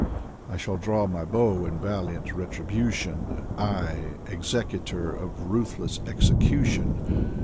I shall draw my bow in valiant retribution, I, executor of ruthless execution.